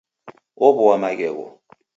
Ow'oa maghegho.